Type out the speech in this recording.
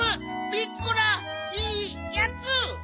ピッコラいいやつ！